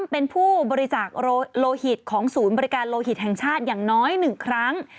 เป็นผู้บริจาคโลหิตของศูนย์บริการโลหิตแห่งชาติอย่างน้อย๑ครั้ง